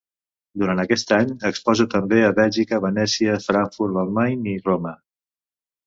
Durant aquest any exposa també a Bèlgica, Venècia, Frankfurt del Main i Roma.